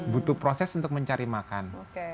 butuh proses untuk mencari makan